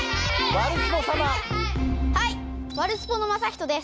ワルスポのまさひとです。